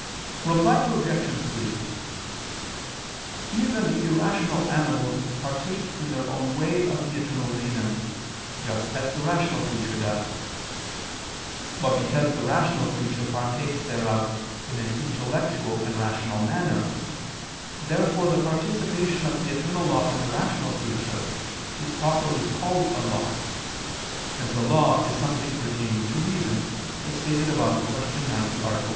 Reply Obj. 3: Even irrational animals partake in their own way of the Eternal Reason, just as the rational creature does. But because the rational creature partakes thereof in an intellectual and rational manner, therefore the participation of the eternal law in the rational creature is properly called a law, since a law is something pertaining to reason, as stated above (Q. 90, A. 1).